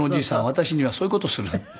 私にはそういう事する。